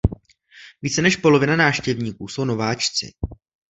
Více než polovina návštěvníků jsou nováčci.